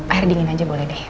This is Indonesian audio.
air dingin aja boleh deh